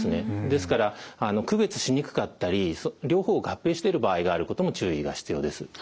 ですから区別しにくかったり両方を合併してる場合があることも注意が必要です。